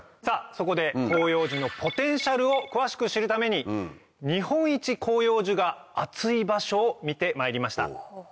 そこで広葉樹のポテンシャルを詳しく知るために日本一広葉樹が熱い場所を見てまいりました。